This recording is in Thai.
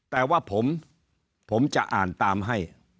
แต่ว่าผมจะอ่านตามให้